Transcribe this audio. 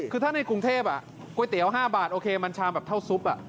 คือถ้าในกรุงเทพก๋วยเตี๋ยว๕บาทโอเคมันชามแบบเท่าซุป